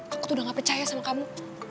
aku tuh udah gak percaya sama kamu